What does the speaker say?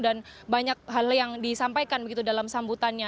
dan banyak hal yang disampaikan begitu dalam sambutannya